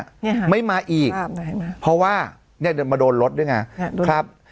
เนี่ยฮะไม่มาอีกครับเพราะว่าเนี้ยเดินมาโดนรถด้วยไงครับ